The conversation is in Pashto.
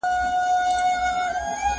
زه خو پر ځان خپله سایه ستایمه.